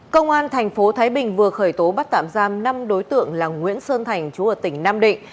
công an thành phố thái bình vừa khởi tố bắt tạm giam năm đối tượng là nguyễn sơn thành trú ở tỉnh nam định